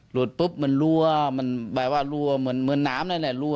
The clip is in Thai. ปุ๊บมันรั่วมันแบบว่ารั่วเหมือนน้ำนั่นแหละรั่